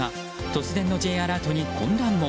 突然のＪアラートに混乱も。